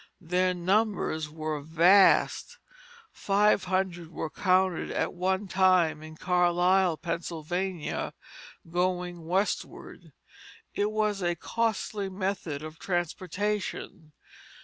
Their numbers were vast; five hundred were counted at one time in Carlisle, Pennsylvania, going westward. It was a costly method of transportation.